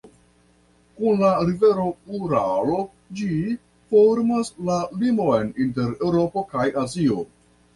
Kun la rivero Uralo ĝi formas la limon inter Eŭropo kaj Azio.